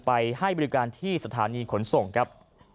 ให้บริการที่สถานีขนส่งครับ